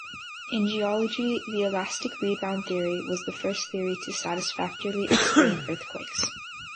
In geology, the elastic rebound theory was the first theory to satisfactorily explain earthquakes.